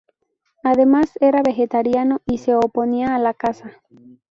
Además era vegetariano y se oponía a la caza.